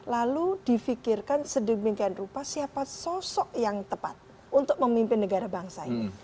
lalu difikirkan sedemikian rupa siapa sosok yang tepat untuk memimpin negara bangsa ini